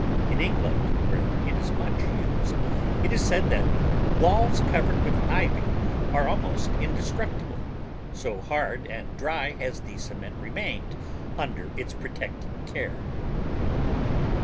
In England, where it is much used, it is said that walls covered with Ivy are almost indestruc tible, so hard and dry has the cement remained under its protecting care.